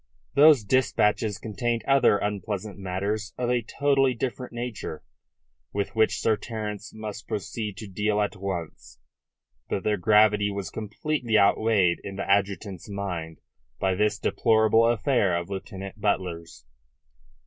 Those dispatches contained other unpleasant matters of a totally different nature, with which Sir Terence must proceed to deal at once; but their gravity was completely outweighed in the adjutant's mind by this deplorable affair of Lieutenant Butler's.